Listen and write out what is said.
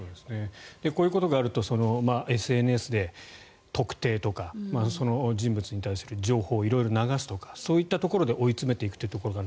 こういうことがあるとＳＮＳで特定とかその人物に対する情報を色々流すとかそういったところで追い詰めていくというところがある。